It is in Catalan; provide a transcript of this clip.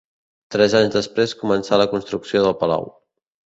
Tres anys després començà la construcció del palau.